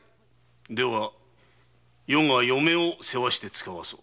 では余が嫁を世話してつかわす。